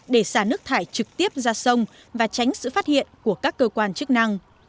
để xả nước thải trực tiếp ra sông và tránh sự phát hiện của các cơ quan chức năng